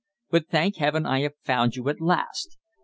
But, thank Heaven, I have found you at last.